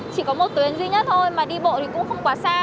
chỉ có một tuyến duy nhất thôi mà đi bộ thì cũng không quá xa